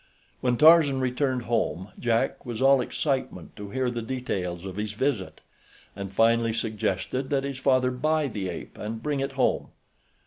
When Tarzan returned home Jack was all excitement to hear the details of his visit, and finally suggested that his father buy the ape and bring it home.